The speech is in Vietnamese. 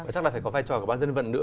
chắc là phải có vai trò của ban dân vận nữa